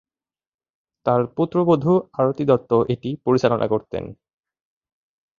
তার পুত্রবধূ আরতি দত্ত এটি পরিচালনা করতেন।